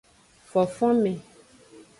Fofonme.